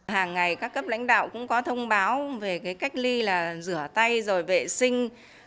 hàng ngày các cấp lãnh đạo cũng có thông báo về cách ly là rửa tay rồi vệ sinh